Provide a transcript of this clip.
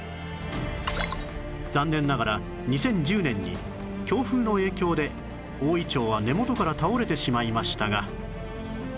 残念ながら２０１０年に強風の影響で大銀杏は根元から倒れてしまいましたが